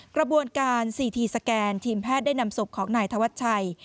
กระบวนการ๔ทีสแกนทีมแพทย์ได้นำศพของนายธวัชชัย